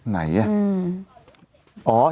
ไหนอ่ะ